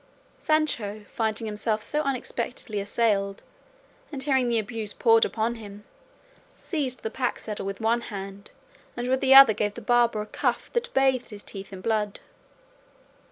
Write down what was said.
Sancho, finding himself so unexpectedly assailed, and hearing the abuse poured upon him, seized the pack saddle with one hand, and with the other gave the barber a cuff that bathed his teeth in blood.